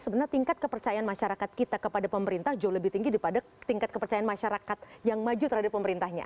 sebenarnya tingkat kepercayaan masyarakat kita kepada pemerintah jauh lebih tinggi daripada tingkat kepercayaan masyarakat yang maju terhadap pemerintahnya